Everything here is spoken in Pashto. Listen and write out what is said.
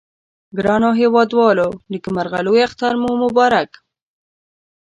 ګرانو هیوادوالو نیکمرغه لوي اختر مو مبارک